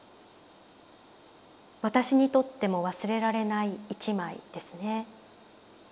私にとっても忘れられない一枚ですね。